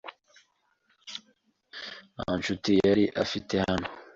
nta nshuti yari afite hano.